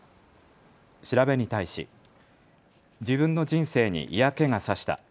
調べに対し自分の人生に嫌気が差した。